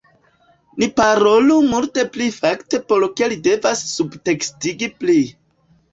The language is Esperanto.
Ni parolu multe pli fakte por ke li devas subtekstigi pli